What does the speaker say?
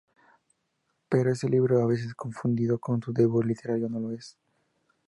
Pero ese libro, a veces confundido con su debut literario, no lo es.